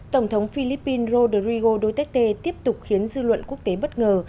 tổng thống philippines rodrigo duterte tiếp tục khiến dư luận quốc tế bất ngờ